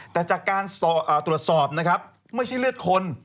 แต่จากการตรวจสอบนะครับไม่ใช่เลือดคน